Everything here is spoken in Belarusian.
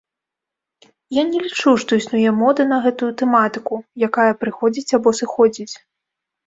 Я не лічу, што існуе мода на гэтую тэматыку, якая прыходзіць або сыходзіць.